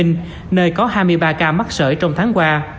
nơi có hai mươi ba ca mắc sởi trong tháng qua